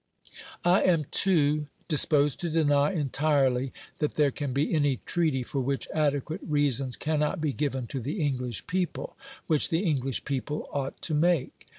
I am, too, disposed to deny entirely that there can be any treaty for which adequate reasons cannot be given to the English people, which the English people ought to make.